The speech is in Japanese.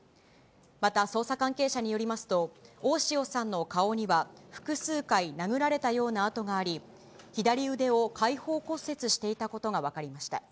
また捜査関係者によりますと、大塩さんの顔には、複数回殴られたような痕があり、左腕を開放骨折していたことが分かりました。